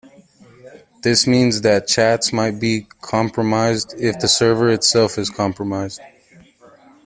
This means that chats might be compromised, if the server itself is compromised.